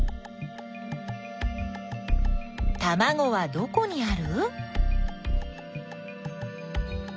たまごはどこにある？